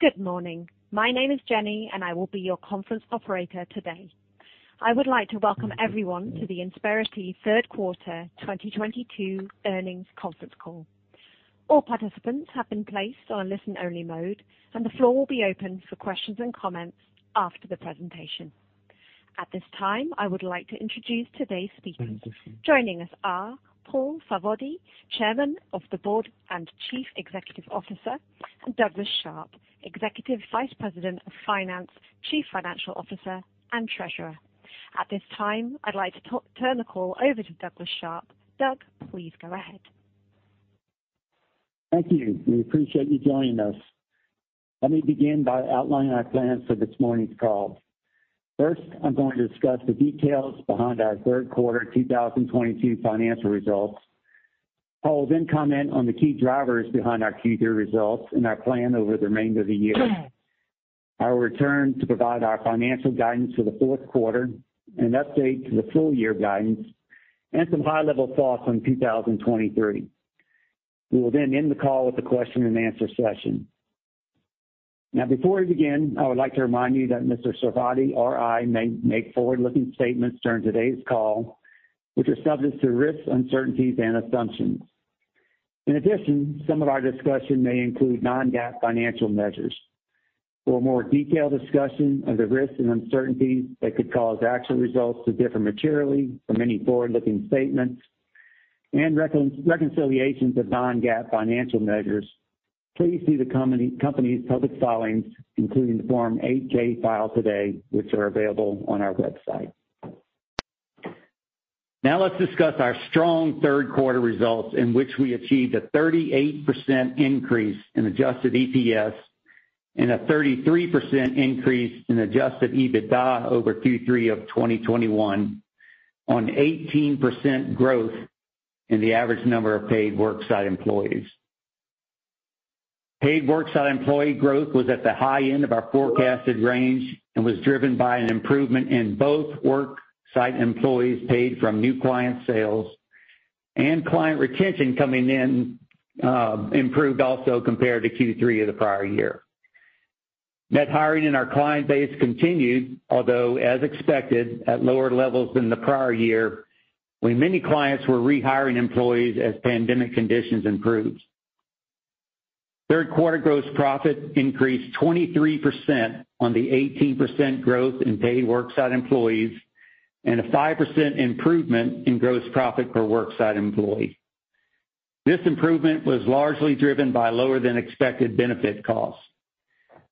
Good morning. My name is Jenny, and I will be your conference operator today. I would like to welcome everyone to the Insperity Third Quarter 2022 Earnings Conference Call. All participants have been placed on listen-only mode, and the floor will be open for questions and comments after the presentation. At this time, I would like to introduce today's speakers. Joining us are Paul Sarvadi, Chairman of the Board and Chief Executive Officer, and Douglas Sharp, Executive Vice President of Finance, Chief Financial Officer, and Treasurer. At this time, I'd like to turn the call over to Douglas Sharp. Doug, please go ahead. Thank you. We appreciate you joining us. Let me begin by outlining our plans for this morning's call. First, I'm going to discuss the details behind our third quarter 2022 financial results. Paul will then comment on the key drivers behind our this year results and our plan over the remainder of the year. I will return to provide our financial guidance for the fourth quarter, an update to the full year guidance, and some high-level thoughts on 2023. We will then end the call with a question-and-answer session. Now, before we begin, I would like to remind you that Mr. Sarvadi or I may make forward-looking statements during today's call, which are subject to risks, uncertainties, and assumptions. In addition, some of our discussion may include non-GAAP financial measures. For a more detailed discussion of the risks and uncertainties that could cause actual results to differ materially from any forward-looking statements and reconciliations of non-GAAP financial measures, please see the company's public filings, including the Form 8-K filed today, which are available on our website. Now let's discuss our strong third quarter results in which we achieved a 38% increase in adjusted EPS and a 33% increase in adjusted EBITDA over Q3 of 2021 on 18% growth in the average number of paid worksite employees. Paid worksite employee growth was at the high end of our forecasted range and was driven by an improvement in both worksite employees paid from new client sales and client retention coming in, improved also compared to Q3 of the prior year. Net hiring in our client base continued, although as expected, at lower levels than the prior year, when many clients were rehiring employees as pandemic conditions improved. Third quarter gross profit increased 23% on the 18% growth in paid worksite employees and a 5% improvement in gross profit per worksite employee. This improvement was largely driven by lower than expected benefit costs.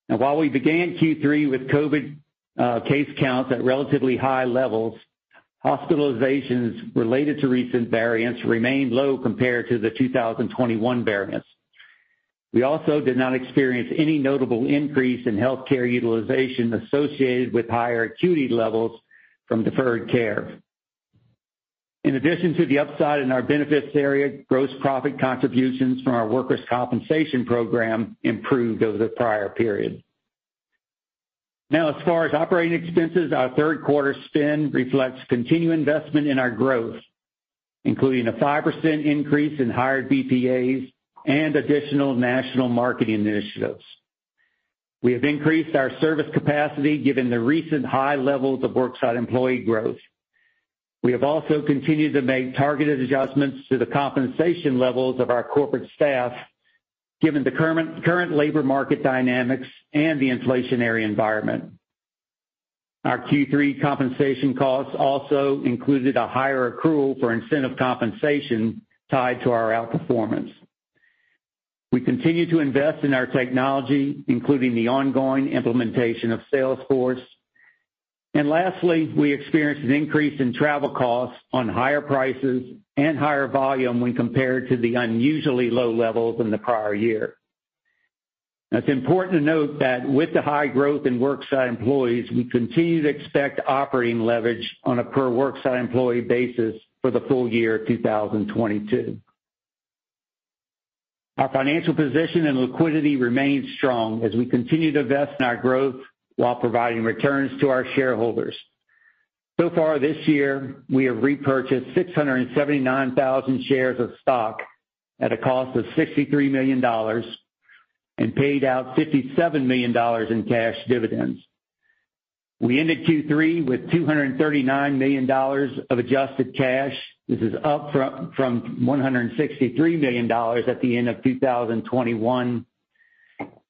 Now while we began Q3 with COVID case counts at relatively high levels, hospitalizations related to recent variants remained low compared to the 2021 variants. We also did not experience any notable increase in healthcare utilization associated with higher acuity levels from deferred care. In addition to the upside in our benefits area, gross profit contributions from our workers compensation program improved over the prior period. Now as far as operating expenses, our third quarter spend reflects continued investment in our growth, including a 5% increase in hired BPAs and additional national marketing initiatives. We have increased our service capacity given the recent high levels of worksite employee growth. We have also continued to make targeted adjustments to the compensation levels of our corporate staff, given the current labor market dynamics and the inflationary environment. Our Q3 compensation costs also included a higher accrual for incentive compensation tied to our outperformance. We continue to invest in our technology, including the ongoing implementation of Salesforce. Lastly, we experienced an increase in travel costs on higher prices and higher volume when compared to the unusually low levels in the prior year. Now it's important to note that with the high growth in worksite employees, we continue to expect operating leverage on a per worksite employee basis for the full year 2022. Our financial position and liquidity remains strong as we continue to invest in our growth while providing returns to our shareholders. So far this year, we have repurchased 679,000 shares of stock at a cost of $63 million and paid out $57 million in cash dividends. We ended Q3 with 239 million of adjusted cash. This is up from one hundred and sixty-three million dollars at the end of 2021,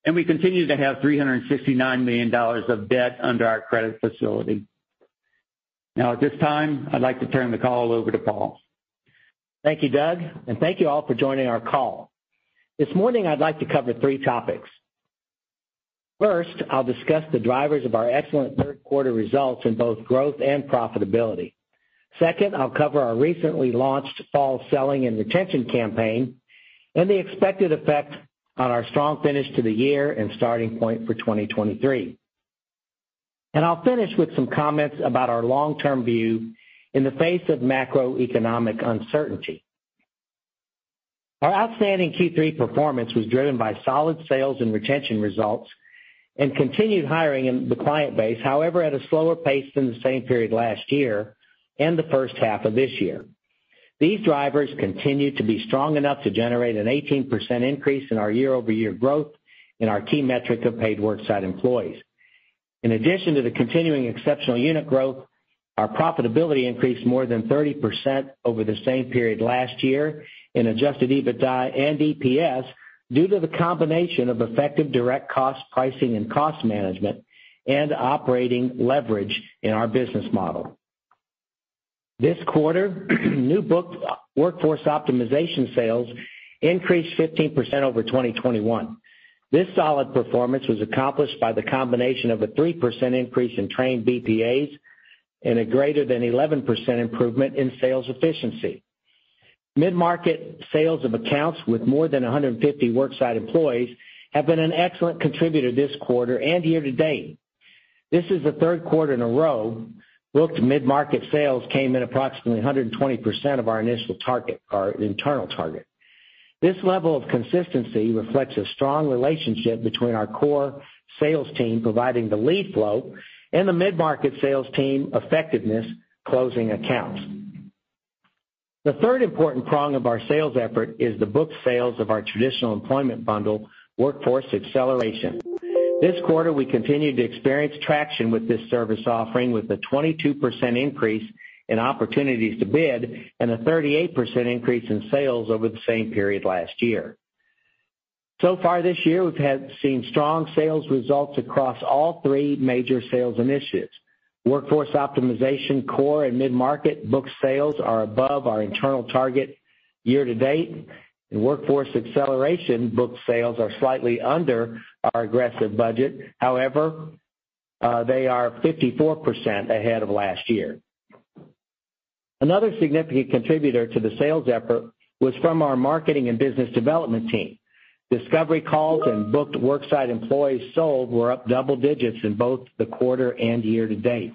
and we continue to have $359 million of debt under our credit facility. Now at this time, I'd like to turn the call over to Paul. Thank you, Doug, and thank you all for joining our call. This morning I'd like to cover three topics. First, I'll discuss the drivers of our excellent third quarter results in both growth and profitability. Second, I'll cover our recently launched fall selling and retention campaign and the expected effect on our strong finish to the year and starting point for 2023. I'll finish with some comments about our long-term view in the face of macroeconomic uncertainty. Our outstanding Q3 performance was driven by solid sales and retention results and continued hiring in the client base, however, at a slower pace than the same period last year and the first half of this year. These drivers continued to be strong enough to generate an 18% increase in our year-over-year growth in our key metric of paid worksite employees. In addition to the continuing exceptional unit growth, our profitability increased more than 30% over the same period last year in adjusted EBITDA and EPS due to the combination of effective direct cost pricing and cost management and operating leverage in our business model. This quarter, new book Workforce Optimization sales increased 15% over 2021. This solid performance was accomplished by the combination of a 3% increase in trained BPAs and a greater than 11% improvement in sales efficiency. Mid-market sales of accounts with more than 150 worksite employees have been an excellent contributor this quarter and year-to-date. This is the third quarter in a row booked mid-market sales came in approximately 120% of our initial target, our internal target. This level of consistency reflects a strong relationship between our core sales team providing the lead flow and the mid-market sales team effectiveness closing accounts. The third important prong of our sales effort is the booked sales of our traditional employment bundle, Workforce Acceleration. This quarter, we continued to experience traction with this service offering with a 22% increase in opportunities to bid and a 38% increase in sales over the same period last year. So far this year, we've had seen strong sales results across all three major sales initiatives. Workforce Optimization, core and mid-market booked sales are above our internal target year-to-date, and Workforce Acceleration booked sales are slightly under our aggressive budget. However, they are 54% ahead of last year. Another significant contributor to the sales effort was from our marketing and business development team. Discovery calls and booked worksite employees sold were up double digits in both the quarter and year-to- date.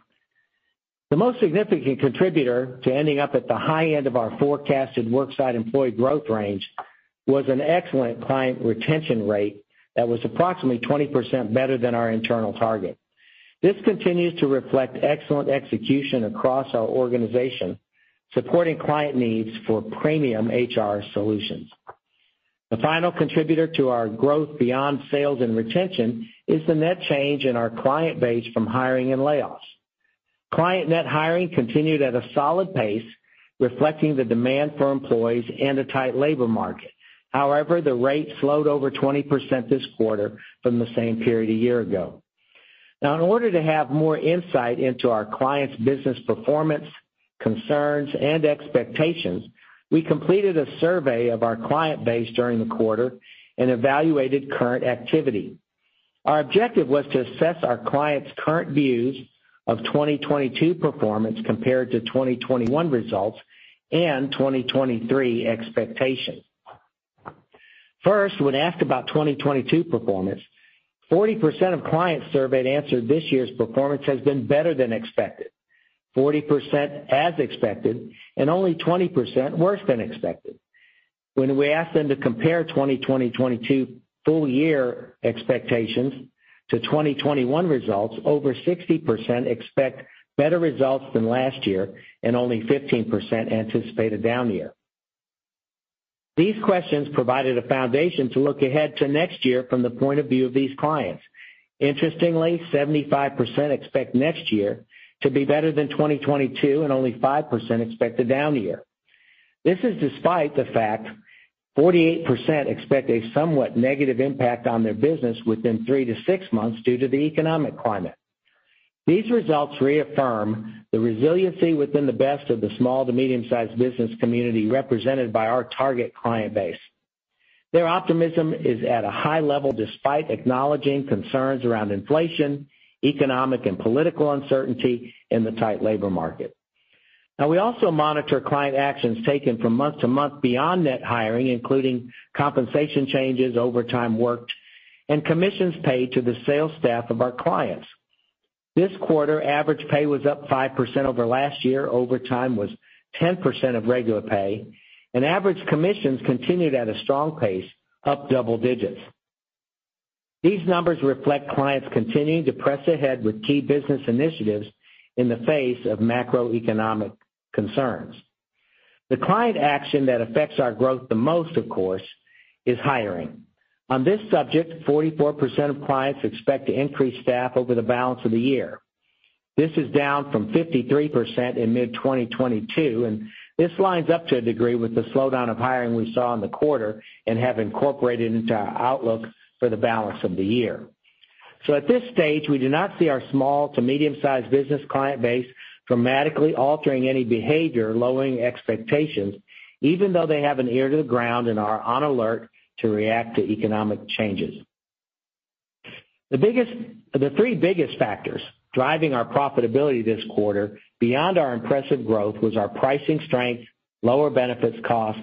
The most significant contributor to ending up at the high end of our forecasted worksite employee growth range was an excellent client retention rate that was approximately 20% better than our internal target. This continues to reflect excellent execution across our organization, supporting client needs for premium HR solutions. The final contributor to our growth beyond sales and retention is the net change in our client base from hiring and layoffs. Client net hiring continued at a solid pace, reflecting the demand for employees and a tight labor market. However, the rate slowed over 20% this quarter from the same period a year ago. Now, in order to have more insight into our clients' business performance, concerns, and expectations, we completed a survey of our client base during the quarter and evaluated current activity. Our objective was to assess our clients' current views of 2022 performance compared to 2021 results and 2023 expectations. First, when asked about 2022 performance, 40% of clients surveyed answered this year's performance has been better than expected, 40% as expected, and only 20% worse than expected. When we asked them to compare 2022 full year expectations to 2021 results, over 60% expect better results than last year, and only 15% anticipate a down year. These questions provided a foundation to look ahead to next year from the point of view of these clients. Interestingly, 75% expect next year to be better than 2022, and only 5% expect a down year. This is despite the fact 48% expect a somewhat negative impact on their business within 3-6 months due to the economic climate. These results reaffirm the resiliency within the best of the small to medium-sized business community represented by our target client base. Their optimism is at a high level despite acknowledging concerns around inflation, economic and political uncertainty, and the tight labor market. Now we also monitor client actions taken from month to month beyond net hiring, including compensation changes, overtime worked, and commissions paid to the sales staff of our clients. This quarter, average pay was up 5% over last year, overtime was 10% of regular pay, and average commissions continued at a strong pace, up double digits. These numbers reflect clients continuing to press ahead with key business initiatives in the face of macroeconomic concerns. The client action that affects our growth the most, of course, is hiring. On this subject, 44% of clients expect to increase staff over the balance of the year. This is down from 53% in mid-2022, and this lines up to a degree with the slowdown of hiring we saw in the quarter and have incorporated into our outlook for the balance of the year. At this stage, we do not see our small to medium-sized business client base dramatically altering any behavior, lowering expectations, even though they have an ear to the ground and are on alert to react to economic changes. The three biggest factors driving our profitability this quarter beyond our impressive growth was our pricing strength, lower benefits cost,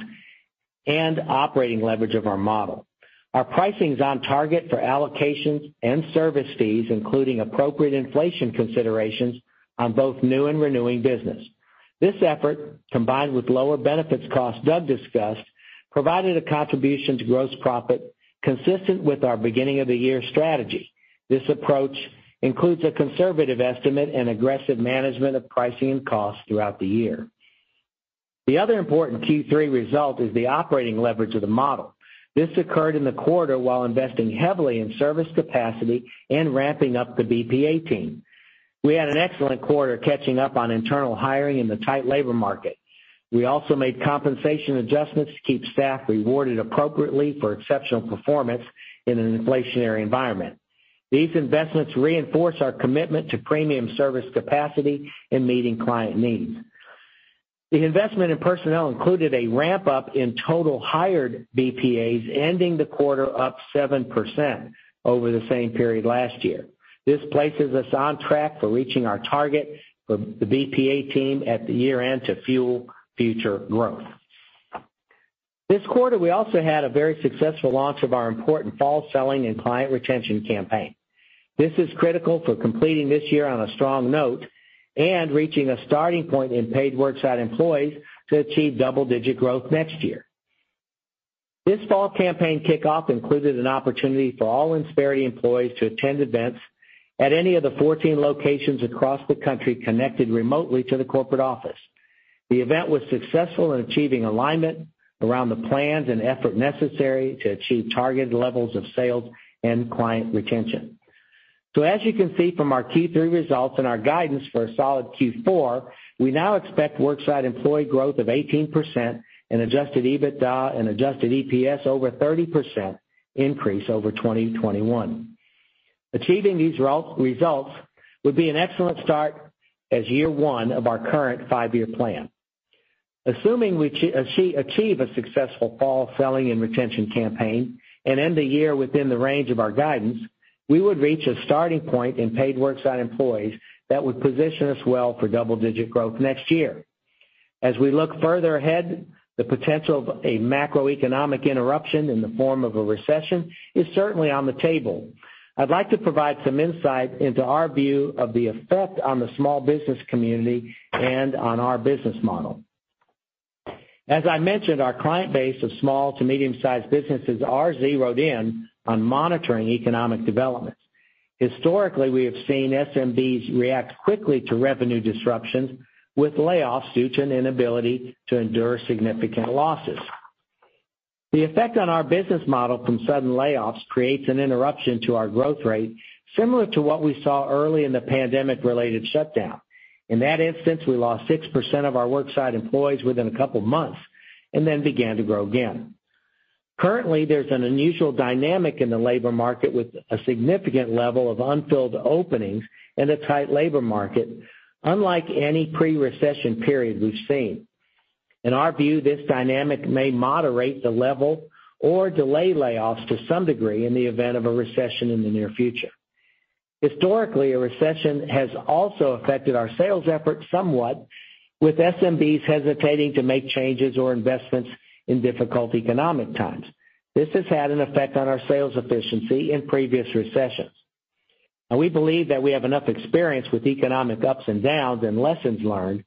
and operating leverage of our model. Our pricing's on target for allocations and service fees, including appropriate inflation considerations on both new and renewing business. This effort, combined with lower benefits costs Doug discussed, provided a contribution to gross profit consistent with our beginning of the year strategy. This approach includes a conservative estimate and aggressive management of pricing and costs throughout the year. The other important Q3 result is the operating leverage of the model. This occurred in the quarter while investing heavily in service capacity and ramping up the BPA team. We had an excellent quarter catching up on internal hiring in the tight labor market. We also made compensation adjustments to keep staff rewarded appropriately for exceptional performance in an inflationary environment. These investments reinforce our commitment to premium service capacity in meeting client needs. The investment in personnel included a ramp-up in total hired BPAs, ending the quarter up 7% over the same period last year. This places us on track for reaching our target for the BPA team at the year-end to fuel future growth. This quarter, we also had a very successful launch of our important fall selling and client retention campaign. This is critical for completing this year on a strong note and reaching a starting point in paid worksite employees to achieve double-digit growth next year. This fall campaign kickoff included an opportunity for all Insperity employees to attend events at any of the 14 locations across the country connected remotely to the corporate office. The event was successful in achieving alignment around the plans and effort necessary to achieve targeted levels of sales and client retention. As you can see from our Q3 results and our guidance for a solid Q4, we now expect worksite employee growth of 18% and adjusted EBITDA and adjusted EPS over 30% increase over 2021. Achieving these results would be an excellent start as year one of our current five-year plan. Assuming we achieve a successful fall selling and retention campaign and end the year within the range of our guidance, we would reach a starting point in paid worksite employees that would position us well for double-digit growth next year. As we look further ahead, the potential of a macroeconomic interruption in the form of a recession is certainly on the table. I'd like to provide some insight into our view of the effect on the small business community and on our business model. As I mentioned, our client base of small to medium-sized businesses are zeroed in on monitoring economic developments. Historically, we have seen SMBs react quickly to revenue disruptions with layoffs due to an inability to endure significant losses. The effect on our business model from sudden layoffs creates an interruption to our growth rate, similar to what we saw early in the pandemic-related shutdown. In that instance, we lost 6% of our worksite employees within a couple of months and then began to grow again. Currently, there's an unusual dynamic in the labor market with a significant level of unfilled openings in a tight labor market, unlike any pre-recession period we've seen. In our view, this dynamic may moderate the level or delay layoffs to some degree in the event of a recession in the near future. Historically, a recession has also affected our sales effort somewhat, with SMBs hesitating to make changes or investments in difficult economic times. This has had an effect on our sales efficiency in previous recessions. Now we believe that we have enough experience with economic ups and downs and lessons learned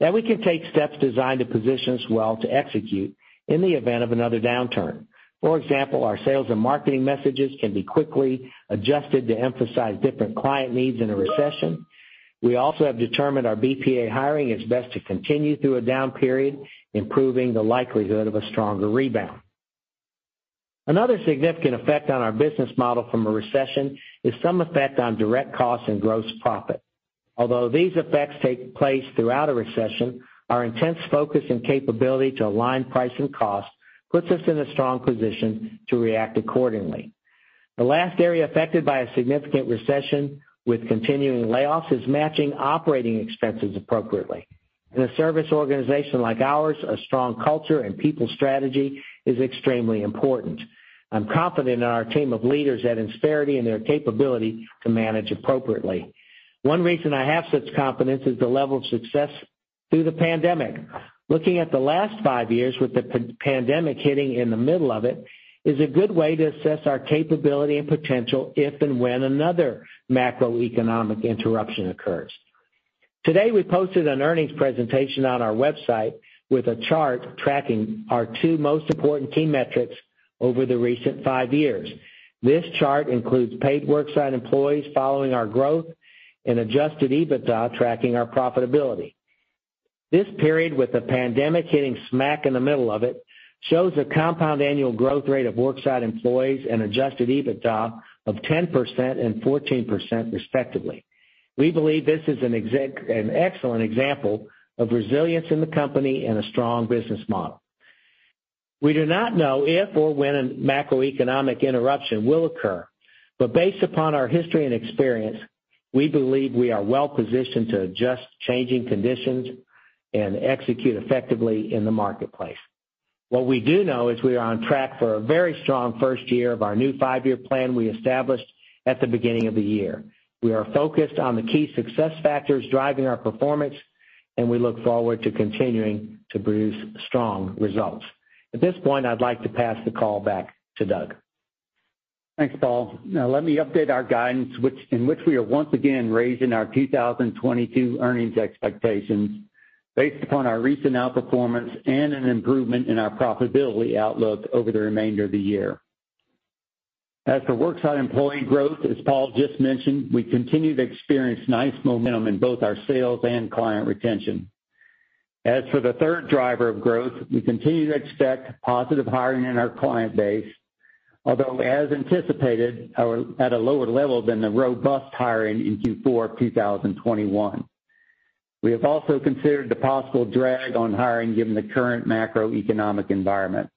that we can take steps designed to position us well to execute in the event of another downturn. For example, our sales and marketing messages can be quickly adjusted to emphasize different client needs in a recession. We also have determined our BPA hiring is best to continue through a down period, improving the likelihood of a stronger rebound. Another significant effect on our business model from a recession is some effect on direct costs and gross profit. Although these effects take place throughout a recession, our intense focus and capability to align price and cost puts us in a strong position to react accordingly. The last area affected by a significant recession with continuing layoffs is matching operating expenses appropriately. In a service organization like ours, a strong culture and people strategy is extremely important. I'm confident in our team of leaders at Insperity and their capability to manage appropriately. One reason I have such confidence is the level of success through the pandemic. Looking at the last 5 years with the pandemic hitting in the middle of it is a good way to assess our capability and potential if and when another macroeconomic interruption occurs. Today, we posted an earnings presentation on our website with a chart tracking our two most important key metrics over the recent five years. This chart includes paid worksite employees following our growth and adjusted EBITDA tracking our profitability. This period, with the pandemic hitting smack in the middle of it, shows a compound annual growth rate of worksite employees and adjusted EBITDA of 10% and 14% respectively. We believe this is an excellent example of resilience in the company and a strong business model. We do not know if or when a macroeconomic interruption will occur, but based upon our history and experience, we believe we are well-positioned to adjust changing conditions and execute effectively in the marketplace. What we do know is we are on track for a very strong first year of our new five-year plan we established at the beginning of the year. We are focused on the key success factors driving our performance, and we look forward to continuing to produce strong results. At this point, I'd like to pass the call back to Doug. Thanks, Paul. Now let me update our guidance, which we are once again raising our 2022 earnings expectations based upon our recent outperformance and an improvement in our profitability outlook over the remainder of the year. As for worksite employee growth, as Paul just mentioned, we continue to experience nice momentum in both our sales and client retention. As for the third driver of growth, we continue to expect positive hiring in our client base. Although as anticipated, or at a lower level than the robust hiring in Q4 2021. We have also considered the possible drag on hiring given the current macroeconomic environment.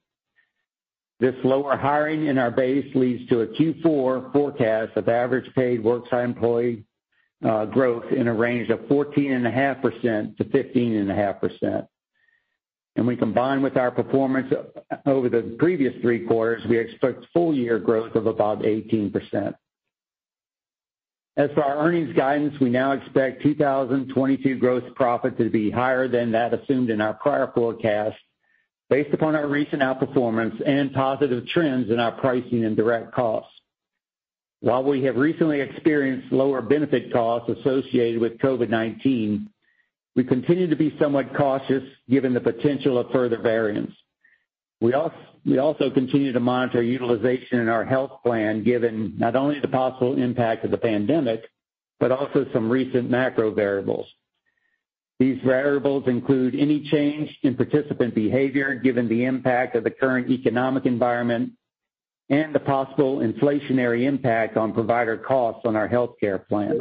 This lower hiring in our base leads to a Q4 forecast of average paid worksite employee growth in a range of 14.5%-15.5%. When combined with our performance over the previous three quarters, we expect full-year growth of about 18%. As for our earnings guidance, we now expect 2022 gross profit to be higher than that assumed in our prior forecast based upon our recent outperformance and positive trends in our pricing and direct costs. While we have recently experienced lower benefit costs associated with COVID-19, we continue to be somewhat cautious given the potential of further variants. We also continue to monitor utilization in our health plan given not only the possible impact of the pandemic, but also some recent macro variables. These variables include any change in participant behavior given the impact of the current economic environment and the possible inflationary impact on provider costs on our healthcare plan.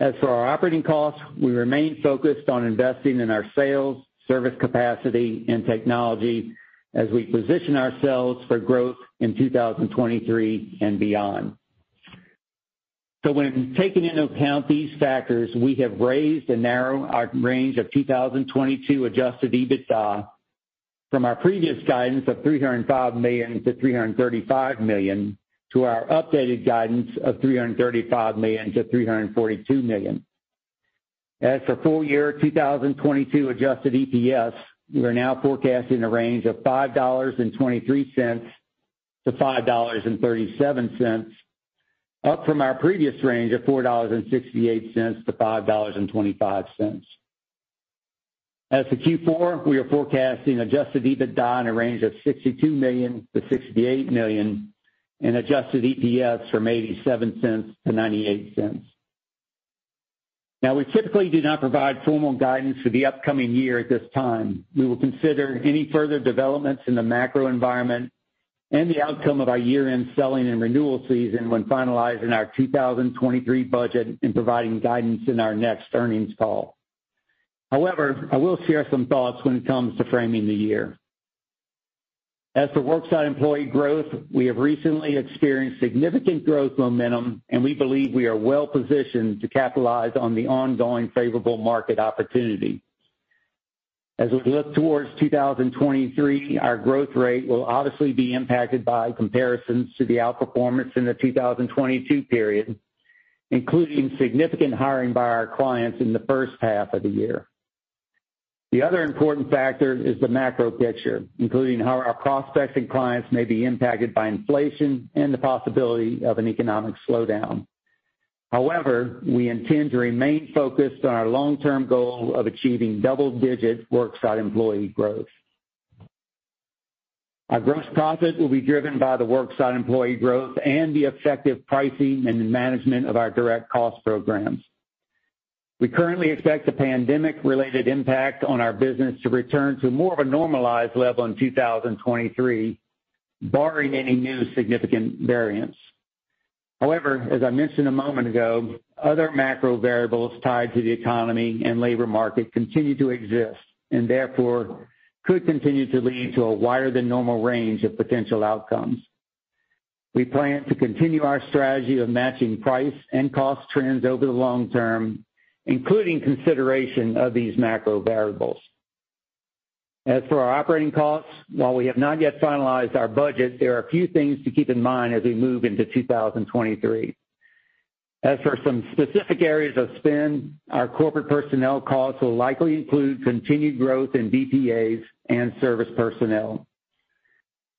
As for our operating costs, we remain focused on investing in our sales, service capacity and technology as we position ourselves for growth in 2023 and beyond. When taking into account these factors, we have raised and narrowed our range of 2022 adjusted EBITDA from our previous guidance of $305 million-$335 million to our updated guidance of $335 million-$342 million. As for full year 2022 adjusted EPS, we are now forecasting a range of $5.23-$5.37, up from our previous range of $4.68-$5.25. As for Q4, we are forecasting adjusted EBITDA in a range of $62 million-$68 million and adjusted EPS from $0.87 to $0.98. Now we typically do not provide formal guidance for the upcoming year at this time. We will consider any further developments in the macro environment and the outcome of our year-end selling and renewal season when finalizing our 2023 budget and providing guidance in our next earnings call. However, I will share some thoughts when it comes to framing the year. As for worksite employee growth, we have recently experienced significant growth momentum, and we believe we are well positioned to capitalize on the ongoing favorable market opportunity. As we look towards 2023, our growth rate will obviously be impacted by comparisons to the outperformance in the 2022 period, including significant hiring by our clients in the first half of the year. The other important factor is the macro picture, including how our prospects and clients may be impacted by inflation and the possibility of an economic slowdown. However, we intend to remain focused on our long-term goal of achieving double-digit worksite employee growth. Our gross profit will be driven by the worksite employee growth and the effective pricing and management of our direct cost programs. We currently expect the pandemic-related impact on our business to return to more of a normalized level in 2023, barring any new significant variants. However, as I mentioned a moment ago, other macro variables tied to the economy and labor market continue to exist and therefore could continue to lead to a wider than normal range of potential outcomes. We plan to continue our strategy of matching price and cost trends over the long term, including consideration of these macro variables. As for our operating costs, while we have not yet finalized our budget, there are a few things to keep in mind as we move into 2023. As for some specific areas of spend, our corporate personnel costs will likely include continued growth in BPAs and service personnel.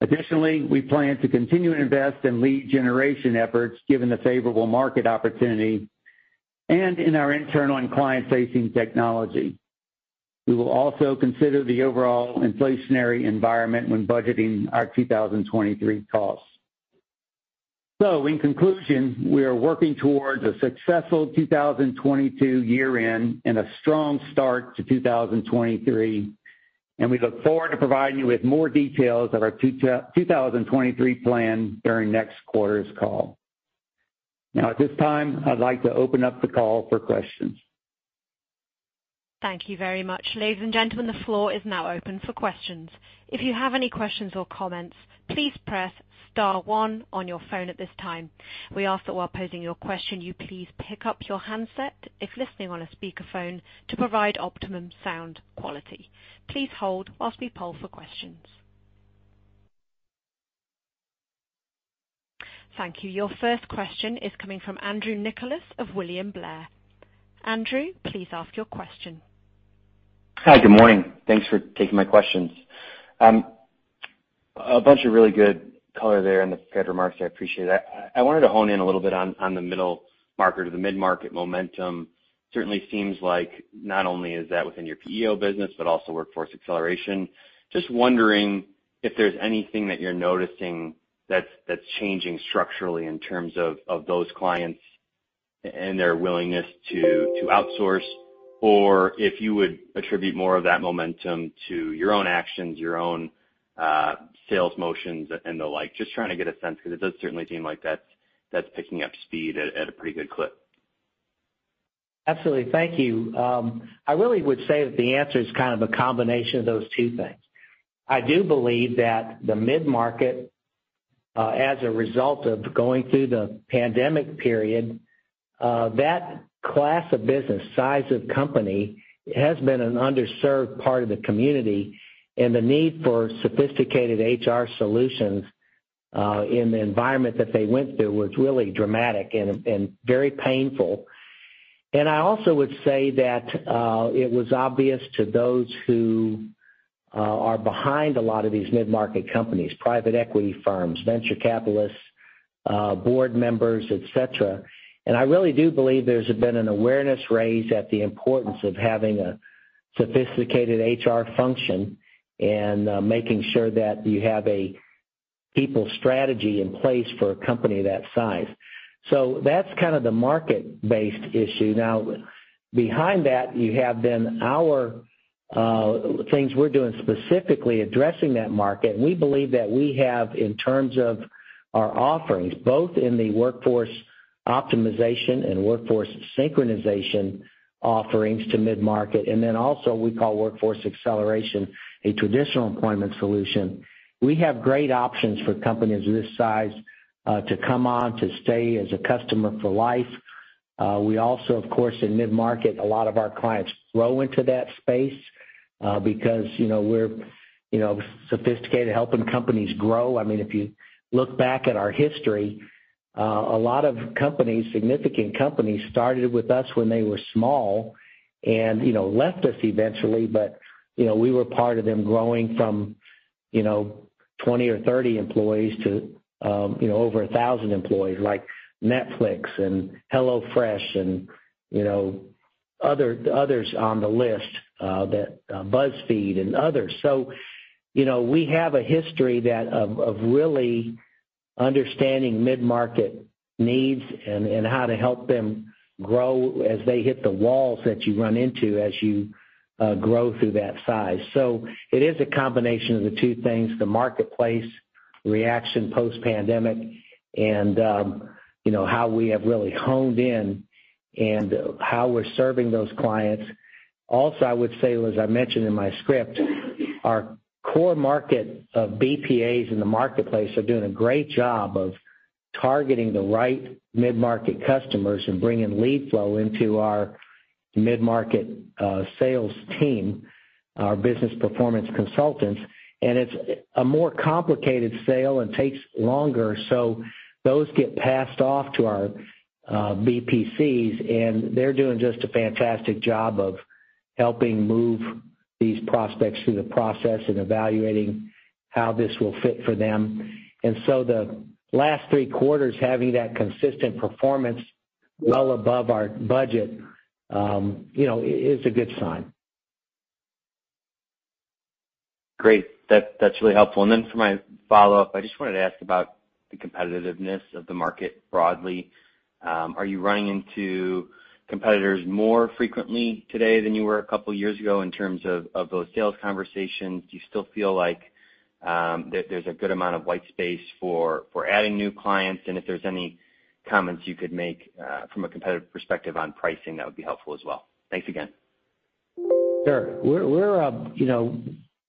Additionally, we plan to continue to invest in lead generation efforts given the favorable market opportunity and in our internal and client-facing technology. We will also consider the overall inflationary environment when budgeting our 2023 costs. In conclusion, we are working towards a successful 2022 year-end and a strong start to 2023, and we look forward to providing you with more details of our 2023 plan during next quarter's call. Now at this time, I'd like to open up the call for questions. Thank you very much. Ladies and gentlemen, the floor is now open for questions. If you have any questions or comments, please press star one on your phone at this time. We ask that while posing your question, you please pick up your handset if listening on a speakerphone to provide optimum sound quality. Please hold while we poll for questions. Thank you. Your first question is coming from Andrew Nicholas of William Blair. Andrew, please ask your question. Hi, good morning. Thanks for taking my questions. A bunch of really good color there in the Paul remarks. I appreciate that. I wanted to hone in a little bit on the middle market or the mid-market momentum. Certainly seems like not only is that within your PEO business, but also Workforce Acceleration. Just wondering if there's anything that you're noticing that's changing structurally in terms of those clients and their willingness to outsource, or if you would attribute more of that momentum to your own actions, your own sales motions and the like. Just trying to get a sense because it does certainly seem like that's picking up speed at a pretty good clip. Absolutely. Thank you. I really would say that the answer is kind of a combination of those two things. I do believe that the mid-market, as a result of going through the pandemic period, that class of business, size of company has been an underserved part of the community, and the need for sophisticated HR solutions, in the environment that they went through was really dramatic and very painful. I also would say that it was obvious to those who are behind a lot of these mid-market companies, private equity firms, venture capitalists, board members, et cetera. I really do believe there's been raised awareness of the importance of having a sophisticated HR function and making sure that you have a people strategy in place for a company that size. That's kind of the market-based issue. Now, behind that, you have then our things we're doing specifically addressing that market. We believe that we have, in terms of our offerings, both in the Workforce Optimization and Workforce Synchronization offerings to mid-market, and then also we call Workforce Acceleration a traditional employment solution. We have great options for companies of this size, to come on, to stay as a customer for life. We also, of course, in mid-market, a lot of our clients grow into that space, because, you know, we're, you know, sophisticated, helping companies grow. I mean, if you look back at our history, a lot of companies, significant companies started with us when they were small and, you know, left us eventually. You know, we were part of them growing from, you know, 20 or 30 employees to, you know, over 1,000 employees like Netflix and HelloFresh and, you know, other, others on the list, that BuzzFeed and others. You know, we have a history that of really understanding mid-market needs and how to help them grow as they hit the walls that you run into as you grow through that size. It is a combination of the two things, the marketplace reaction post-pandemic and, you know, how we have really honed in and how we're serving those clients. Also, I would say, as I mentioned in my script, our core market of BPAs in the marketplace are doing a great job of targeting the right mid-market customers and bringing lead flow into our mid-market sales team, our business performance consultants, and it's a more complicated sale and takes longer. Those get passed off to our BPCs, and they're doing just a fantastic job of helping move these prospects through the process and evaluating how this will fit for them. The last three quarters, having that consistent performance well above our budget, you know, is a good sign. Great. That's really helpful. For my follow-up, I just wanted to ask about the competitiveness of the market broadly. Are you running into competitors more frequently today than you were a couple years ago in terms of those sales conversations? Do you still feel like there's a good amount of white space for adding new clients? If there's any comments you could make from a competitive perspective on pricing, that would be helpful as well. Thanks again. Sure. You know,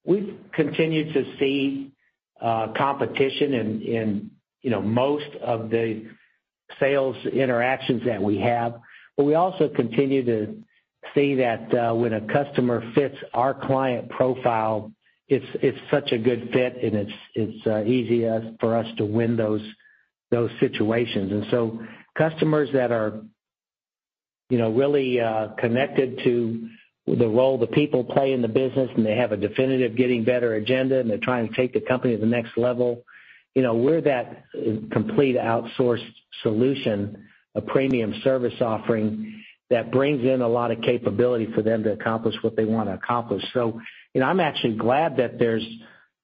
we've continued to see competition in, you know, most of the sales interactions that we have. We also continue to see that when a customer fits our client profile, it's easy for us to win those situations. Customers that are, you know, really connected to the role the people play in the business, and they have a definitive getting better agenda, and they're trying to take the company to the next level, you know, we're that complete outsourced solution, a premium service offering that brings in a lot of capability for them to accomplish what they want to accomplish. You know, I'm actually glad that there's,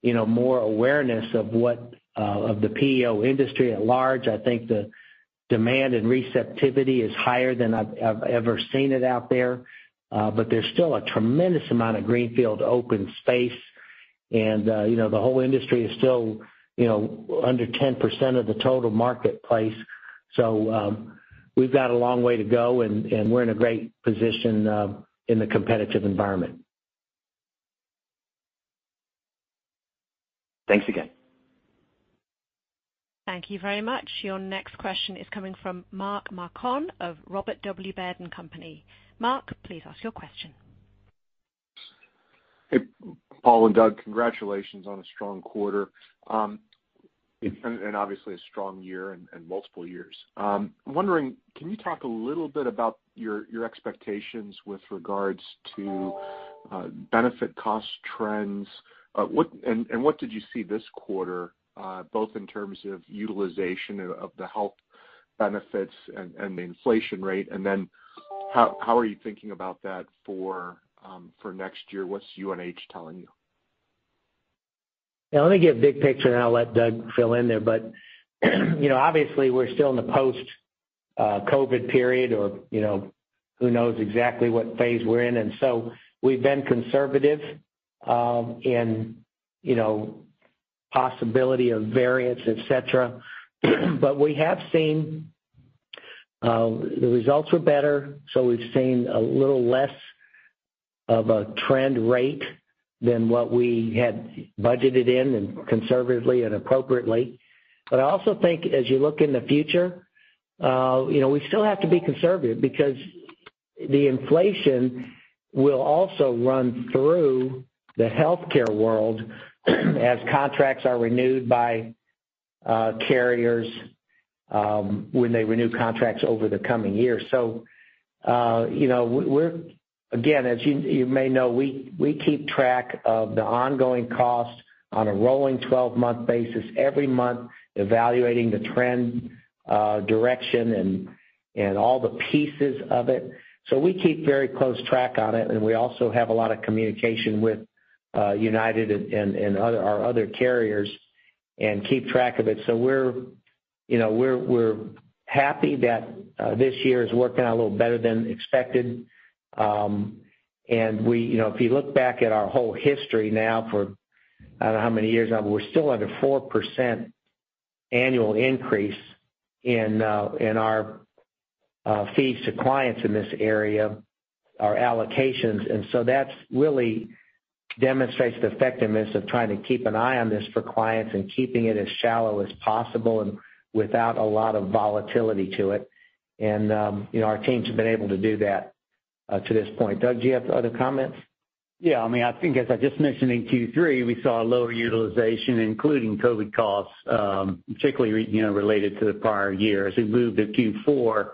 you know, more awareness of what of the PEO industry at large. I think the demand and receptivity is higher than I've ever seen it out there. There's still a tremendous amount of greenfield open space. You know, the whole industry is still, you know, under 10% of the total marketplace. We've got a long way to go, and we're in a great position in the competitive environment. Thanks again. Thank you very much. Your next question is coming from Mark Marcon of Robert W. Baird & Co. Mark, please ask your question. Hey, Paul and Doug, congratulations on a strong quarter. Obviously a strong year and multiple years. Wondering, can you talk a little bit about your expectations with regards to benefit cost trends? What did you see this quarter both in terms of utilization of the health benefits and the inflation rate? Then how are you thinking about that for next year? What's UNH telling you? Yeah, let me give big picture, and I'll let Doug fill in there. You know, obviously, we're still in the post-COVID period or, you know, who knows exactly what phase we're in. We've been conservative in the possibility of variants, et cetera. We have seen the results were better, so we've seen a little less of a turnover rate than what we had budgeted in and conservatively and appropriately. I also think as you look in the future, you know, we still have to be conservative because the inflation will also run through the healthcare world as contracts are renewed by carriers when they renew contracts over the coming years. You know, we're again, as you may know, we keep track of the ongoing costs on a rolling 12-month basis every month, evaluating the trend, direction and all the pieces of it. We keep very close track on it, and we also have a lot of communication with United and our other carriers and keep track of it. We're, you know, happy that this year is working out a little better than expected. You know, if you look back at our whole history now for I don't know how many years now, but we're still at a 4% annual increase in our fees to clients in this area, our allocations. That's really demonstrates the effectiveness of trying to keep an eye on this for clients and keeping it as shallow as possible and without a lot of volatility to it. You know, our teams have been able to do that to this point. Doug, do you have other comments? Yeah. I mean, I think as I just mentioned in Q3, we saw a lower utilization, including COVID costs, particularly, you know, related to the prior years. As we moved to Q4,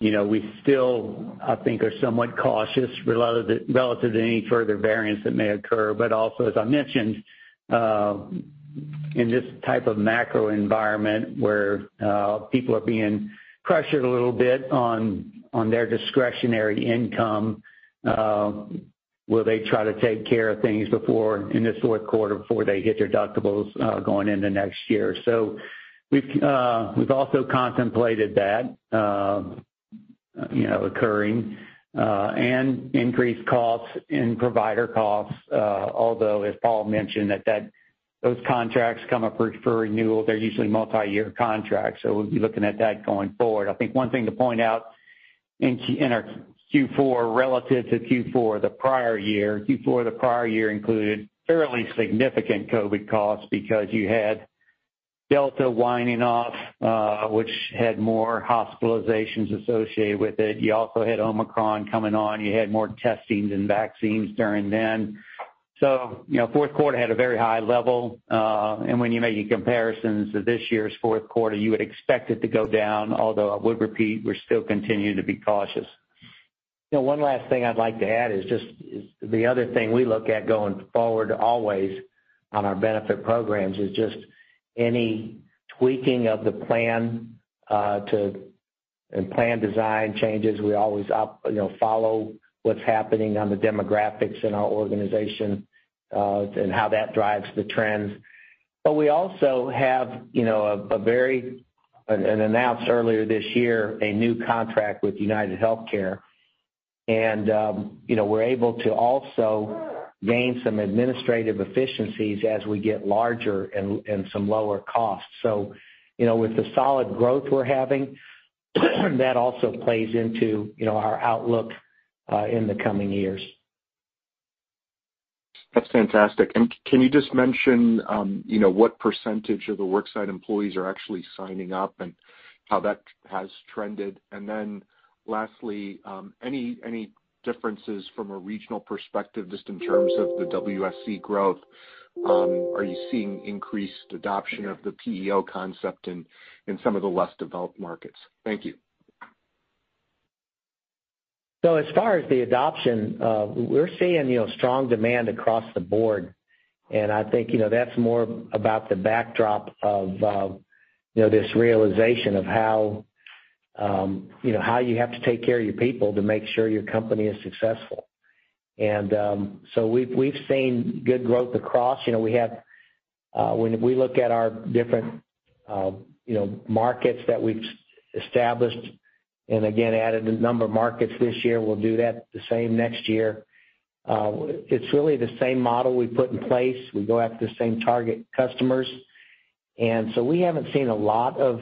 you know, we still I think are somewhat cautious relative to any further variance that may occur. Also, as I mentioned, in this type of macro environment where, people are being pressured a little bit on their discretionary income, will they try to take care of things before, in this fourth quarter before they hit their deductibles, going into next year. We've also contemplated that, you know, occurring, and increased costs and provider costs, although as Paul mentioned that those contracts come up for renewal, they're usually multi-year contracts. We'll be looking at that going forward. I think one thing to point out in our Q4 relative to Q4 the prior year. Q4 the prior year included fairly significant COVID costs because you had Delta winding off, which had more hospitalizations associated with it. You also had Omicron coming on. You had more testings and vaccines during then. You know, fourth quarter had a very high level, and when you're making comparisons to this year's fourth quarter, you would expect it to go down, although I would repeat, we're still continuing to be cautious. You know, one last thing I'd like to add is just the other thing we look at going forward always on our benefit programs is just any tweaking of the plan, and plan design changes. We always, you know, follow what's happening on the demographics in our organization, and how that drives the trends. We also have announced earlier this year a new contract with UnitedHealthcare. You know, we're able to also gain some administrative efficiencies as we get larger and some lower costs. You know, with the solid growth we're having, that also plays into our outlook in the coming years. That's fantastic. Can you just mention, you know, what percentage of the worksite employees are actually signing up and how that has trended? Then lastly, any differences from a regional perspective just in terms of the WSE growth? Are you seeing increased adoption of the PEO concept in some of the less developed markets? Thank you. As far as the adoption, we're seeing, you know, strong demand across the board. I think, you know, that's more about the backdrop of, you know, this realization of how, you know, how you have to take care of your people to make sure your company is successful. We've seen good growth across. You know, we have, when we look at our different, you know, markets that we've established, and again, added a number of markets this year, we'll do that the same next year. It's really the same model we put in place. We go after the same target customers. We haven't seen a lot of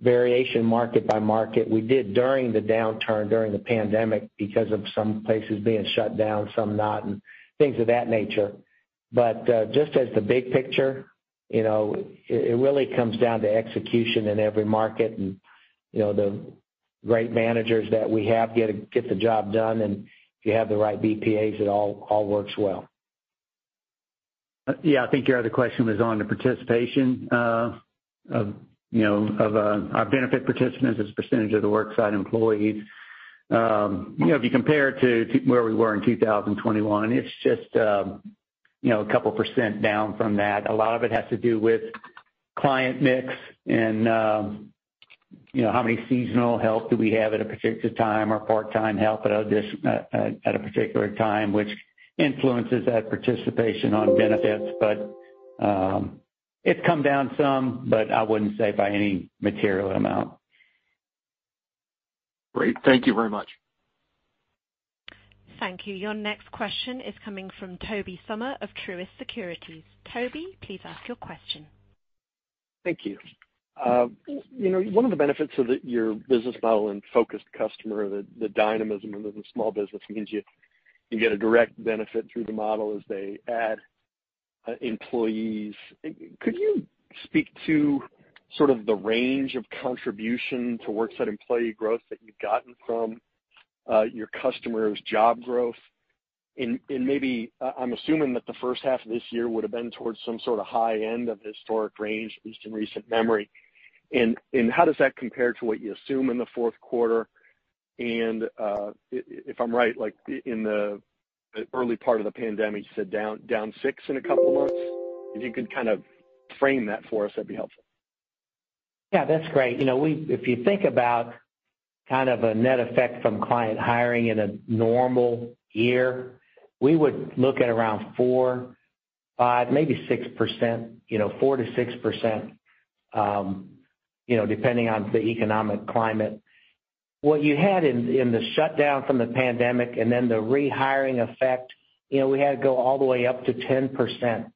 variation market by market. We did during the downturn, during the pandemic because of some places being shut down, some not, and things of that nature. Just as the big picture, you know, it really comes down to execution in every market and, you know, the great managers that we have get the job done, and if you have the right BPAs, it all works well. Yeah, I think your other question was on the participation of our benefit participants as a percentage of the worksite employees. You know, if you compare it to where we were in 2021, it's just a couple percent down from that. A lot of it has to do with client mix and, you know, how many seasonal help do we have at a particular time, or part-time help at a particular time, which influences that participation on benefits. It's come down some, but I wouldn't say by any material amount. Great. Thank you very much. Thank you. Your next question is coming from Tobey Sommer of Truist Securities. Tobey, please ask your question. Thank you. You know, one of the benefits of your business model and focused customer, the dynamism of the small business means you get a direct benefit through the model as they add employees. Could you speak to sort of the range of contribution to worksite employee growth that you've gotten from your customers' job growth? I'm assuming that the first half of this year would have been towards some sort of high end of the historic range, at least in recent memory. How does that compare to what you assume in the fourth quarter? If I'm right, like in the early part of the pandemic, you said down 6% in a couple of months. If you could kind of frame that for us, that'd be helpful. Yeah, that's great. You know, if you think about kind of a net effect from client hiring in a normal year, we would look at around 4, 5, maybe 6%, you know, 4%-6%, you know, depending on the economic climate. What you had in the shutdown from the pandemic and then the rehiring effect, you know, we had to go all the way up to 10%,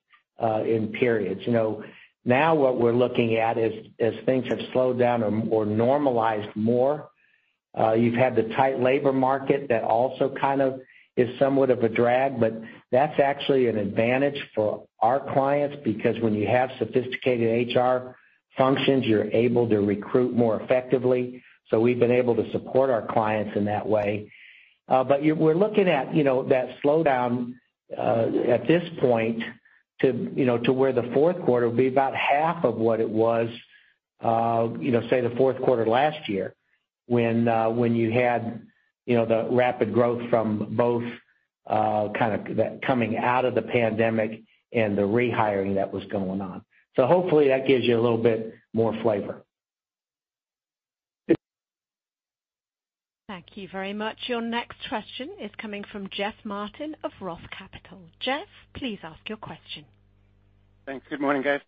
in periods. You know, now what we're looking at is, as things have slowed down or normalized more, you've had the tight labor market that also kind of is somewhat of a drag, but that's actually an advantage for our clients because when you have sophisticated HR functions, you're able to recruit more effectively. We've been able to support our clients in that way. We're looking at, you know, that slowdown at this point to, you know, to where the fourth quarter will be about half of what it was, you know, say the fourth quarter last year when you had, you know, the rapid growth from both, kind of that coming out of the pandemic and the rehiring that was going on. Hopefully that gives you a little bit more flavor. Thank you very much. Your next question is coming from Jeff Martin of Roth Capital. Jeff, please ask your question. Thanks. Good morning, guys.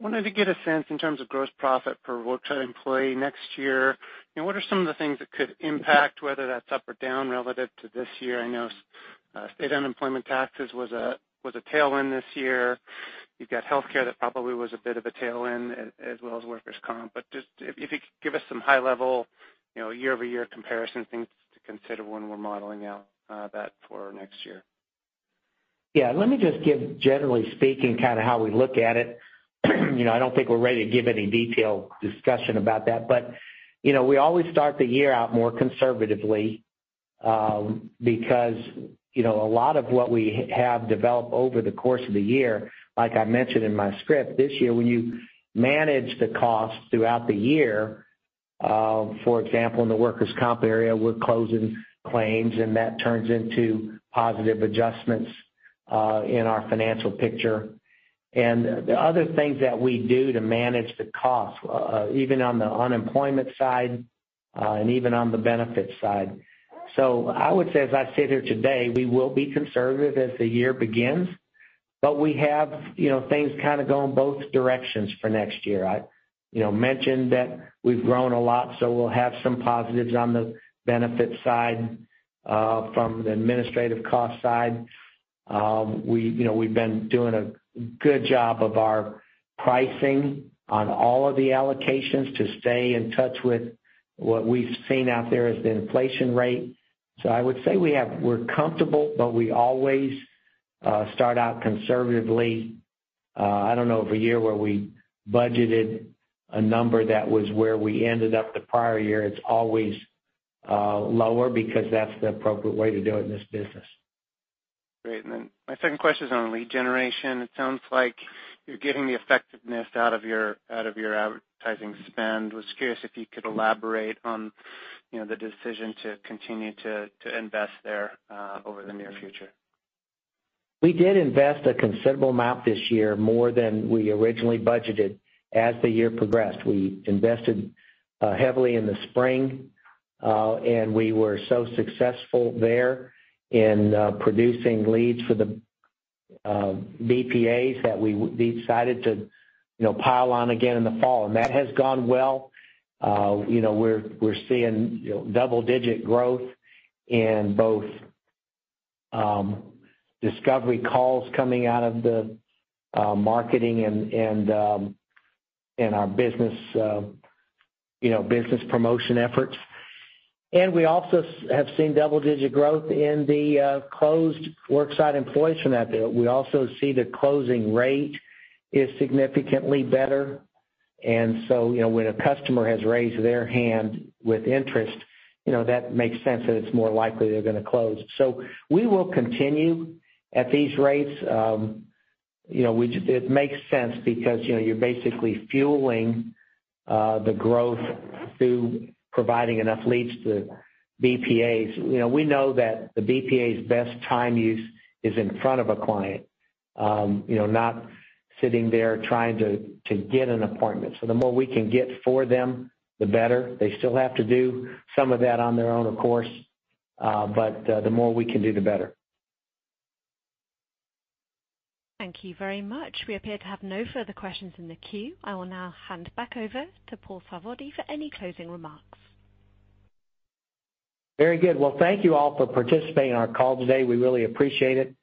Wanted to get a sense in terms of gross profit per worksite employee next year. You know, what are some of the things that could impact whether that's up or down relative to this year? I know, state unemployment taxes was a tailwind this year. You've got healthcare that probably was a bit of a tailwind as well as workers' comp. But just if you could give us some high level, you know, year-over-year comparison things to consider when we're modeling out that for next year. Yeah. Let me just give generally speaking, kind of how we look at it. You know, I don't think we're ready to give any detailed discussion about that. You know, we always start the year out more conservatively, because, you know, a lot of what we have developed over the course of the year, like I mentioned in my script, this year, when you manage the costs throughout the year, for example, in the workers' comp area, we're closing claims and that turns into positive adjustments, in our financial picture. The other things that we do to manage the cost, even on the unemployment side, and even on the benefits side. I would say, as I sit here today, we will be conservative as the year begins, but we have, you know, things kinda going both directions for next year. I you know mentioned that we've grown a lot, so we'll have some positives on the benefit side from the administrative cost side. We you know we've been doing a good job of our pricing on all of the allocations to stay in touch with what we've seen out there as the inflation rate. I would say we're comfortable, but we always start out conservatively. I don't know of a year where we budgeted a number that was where we ended up the prior year. It's always lower because that's the appropriate way to do it in this business. Great. My second question is on lead generation. It sounds like you're getting the effectiveness out of your advertising spend. Was curious if you could elaborate on, you know, the decision to continue to invest there over the near future? We did invest a considerable amount this year, more than we originally budgeted as the year progressed. We invested heavily in the spring and we were so successful there in producing leads for the BPAs that we decided to, you know, pile on again in the fall. That has gone well. You know, we're seeing you know double-digit growth in both discovery calls coming out of the marketing and our business promotion efforts. We also have seen double-digit growth in the closed worksite employees from that build. We also see the closing rate is significantly better. You know, when a customer has raised their hand with interest, you know, that makes sense that it's more likely they're gonna close. We will continue at these rates. You know, it makes sense because, you know, you're basically fueling the growth through providing enough leads to BPAs. You know, we know that the BPA's best time use is in front of a client, you know, not sitting there trying to get an appointment. The more we can get for them, the better. They still have to do some of that on their own, of course, but the more we can do, the better. Thank you very much. We appear to have no further questions in the queue. I will now hand back over to Paul Sarvadi for any closing remarks. Very good. Well, thank you all for participating in our call today. We really appreciate it.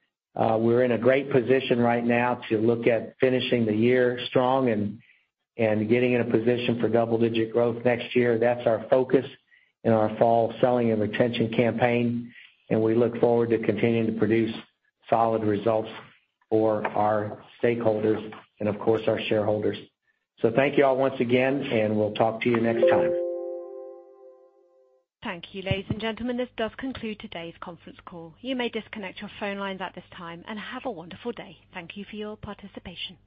We're in a great position right now to look at finishing the year strong and getting in a position for double-digit growth next year. That's our focus in our fall selling and retention campaign, and we look forward to continuing to produce solid results for our stakeholders and, of course, our shareholders. Thank you all once again, and we'll talk to you next time. Thank you. Ladies and gentlemen, this does conclude today's conference call. You may disconnect your phone lines at this time, and have a wonderful day. Thank you for your participation.